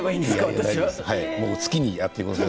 好きにやってください。